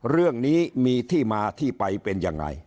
เรื่องนี้มีที่มาที่ไปเป็นยังไง